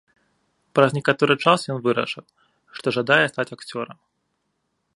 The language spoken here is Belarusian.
Праз некаторы час ён вырашыў, што жадае стаць акцёрам.